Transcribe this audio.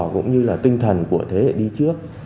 cũng như là tinh thần của thế hệ đi trước